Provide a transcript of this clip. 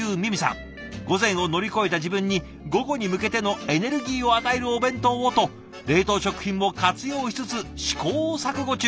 「午前を乗り越えた自分に午後に向けてのエネルギーを与えるお弁当を」と冷凍食品も活用しつつ試行錯誤中。